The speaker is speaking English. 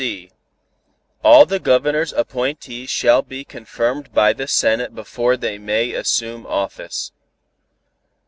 (c) All the Governor's appointees shall be confirmed by the Senate before they may assume office.